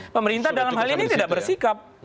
pemerintah dalam hal ini tidak bersikap